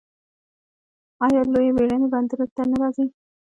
آیا لویې بیړۍ بندرونو ته نه راځي؟